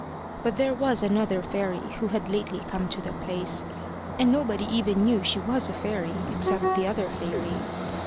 But there was another fairy who had lately come to the place, and nobody even knew she was a fairy except the other fairies.